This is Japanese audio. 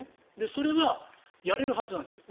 それはやれるはずなんですよ。